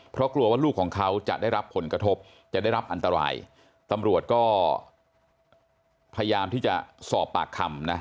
เพราะกลัวว่าลูกของเขาจะได้รับผลกระทบจะได้รับอันตรายตำรวจก็พยายามที่จะสอบปากคำนะ